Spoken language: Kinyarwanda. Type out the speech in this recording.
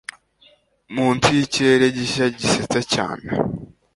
Munsi yikirere gishya gisetsa cyane